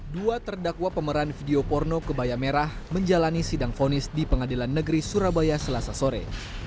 dua terdakwa pemeran video porno kebaya merah menjalani sidang fonis di pengadilan negeri surabaya selasa sore